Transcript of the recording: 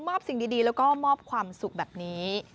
สิ่งดีแล้วก็มอบความสุขแบบนี้